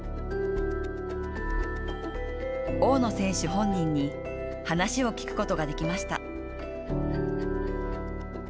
大野選手本人に話を聞くことができました。